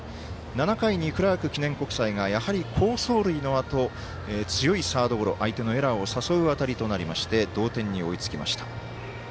７回、クラーク記念国際がやはり好走塁のあと強いサードゴロ、相手のエラーを誘う当たりとなりまして同点に追いつきました。